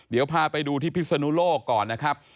เดี๋ยวพาไปดูที่พิศนุโลกก่อนนะครับ